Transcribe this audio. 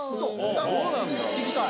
聴きたい！